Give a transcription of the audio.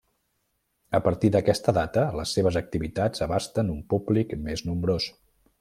A partir d'aquesta data les seves activitats abasten un públic més nombrós.